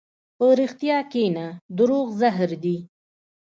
په رښتیا کښېنه، دروغ زهر دي.